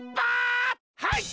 はい！